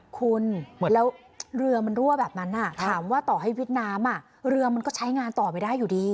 คุณแล้วเรือมันรั่วแบบนั้นถามว่าต่อให้เวียดนามเรือมันก็ใช้งานต่อไปได้อยู่ดี